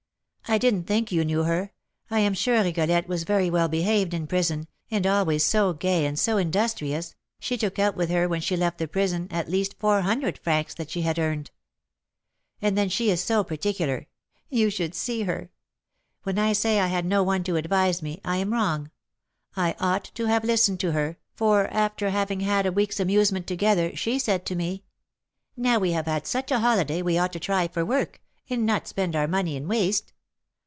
"I didn't think you knew her. I am sure Rigolette was very well behaved in prison, and always so gay and so industrious, she took out with her when she left the prison at least four hundred francs that she had earned. And then she is so particular! you should see her! When I say I had no one to advise me, I am wrong: I ought to have listened to her; for, after having had a week's amusement together, she said to me, 'Now we have had such a holiday, we ought to try for work, and not spend our money in waste.'